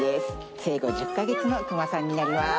生後１０か月のクマさんになります